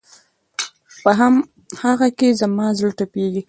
په هم هغه کې زما زړه تپېږي